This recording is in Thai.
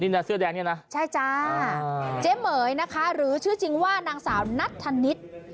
นี่นะเสื้อแดงนี่นะใช่จ้าเจ๊เหม๋ยนะคะหรือชื่อจริงว่านางสาวนัทธนิษฐ์